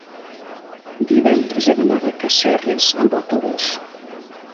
divendres he d'anar a Casserres amb autobús.